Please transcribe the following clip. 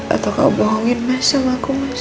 atau kau bohongin mas sama aku mas